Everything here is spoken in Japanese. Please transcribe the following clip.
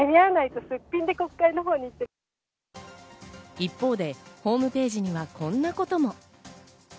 一方でホームページにはこんなことも。